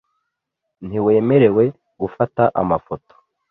Ntiwemerewe gufata amafoto.